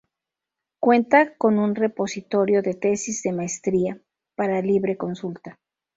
Cuenta con un repositorio de Tesis de Maestría, para libre consulta.